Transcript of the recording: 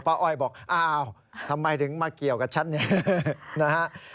อ้อยบอกอ้าวทำไมถึงมาเกี่ยวกับฉันเนี่ยนะฮะ